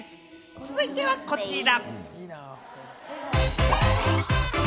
続いてはこちら。